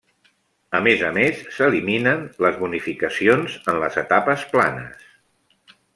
A més a més s'eliminen les bonificacions en les etapes planes.